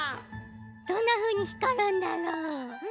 どんなふうにひかるんだろう？